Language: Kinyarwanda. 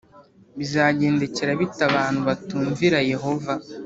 Bizagendekera bite abantu batumvira Yehova